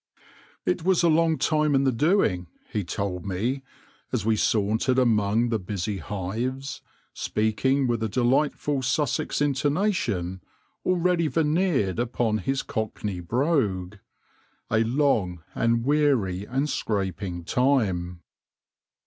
It was a long time in the doing, he told me, as we sauntered among the busy hives, speaking with a de lightful Sussex intonation already veneered upon his Cockney brogue — a long and weary and scraping time.